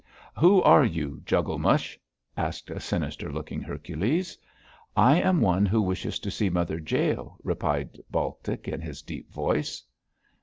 'Who are you, juggel mush?'[A] asked a sinister looking Hercules. [A] Juggel mush: a dog man. 'I am one who wishes to see Mother Jael,' replied Baltic, in his deep voice.